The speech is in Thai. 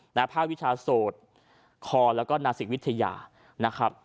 ภาควิชาโสดคอแล้วก็นาศิกวิทยานะครับ